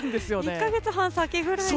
１か月半先ぐらいの。